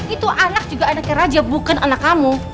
itu anak juga anaknya raja bukan anak kamu